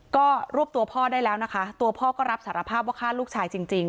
ก็รวบตัวพ่อได้แล้วนะคะตัวพ่อก็รับสารภาพว่าฆ่าลูกชายจริง